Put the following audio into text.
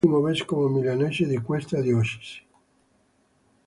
Fu l'ultimo vescovo milanese di questa diocesi.